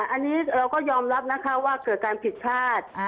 อันนี้เราก็ยอมรับนะคะว่าเกิดการผิดพลาด